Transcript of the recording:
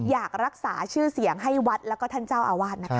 อยากรักษาชื่อเสียงให้วัดแล้วก็ท่านเจ้าอาวาสนะคะ